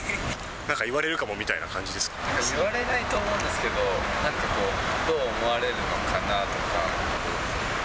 なんか言われるかもみたいな言われないと思うんですけど、なんかこう、どう思われるのかなとか。